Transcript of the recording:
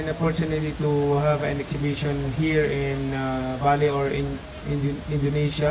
saya berhasil menemukan pembentangan di bali atau di indonesia